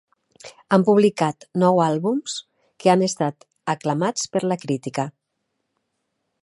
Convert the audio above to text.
Han publicat nou àlbums que han estat aclamats per la crítica.